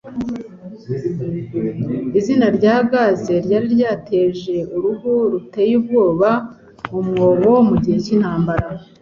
Izina rya gaze ryari ryateje uruhu ruteye ubwoba mu mwobo mu gihe cy'Intambara